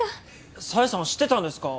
紗英さんは知ってたんですか？